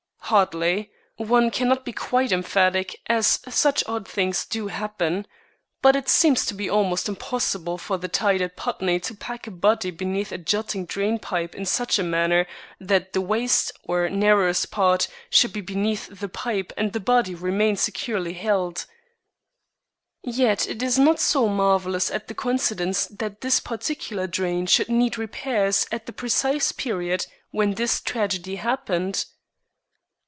"Hardly. One cannot be quite emphatic, as such odd things do happen. But it seems to be almost impossible for the tide at Putney to pack a body beneath a jutting drain pipe in such a manner that the waist, or narrowest part, should be beneath the pipe and the body remain securely held." "Yet it is not so marvellous as the coincidence that this particular drain should need repairs at the precise period when this tragedy happened."